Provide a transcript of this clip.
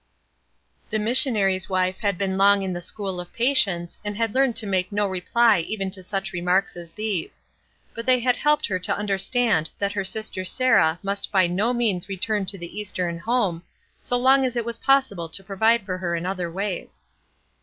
'' The missionary's wife had been long in the school of patience and had learned to make no 58 A HEBEL 59 reply even to such remarks as these; but they had helped her to understand that her sister Sarah must by no means return to the Eastern home, so long as it was possible to provide for her in other ways.